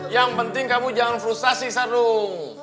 yang penting kamu jangan frustasi seru